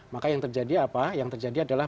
maka yang terjadi apa yang terjadi adalah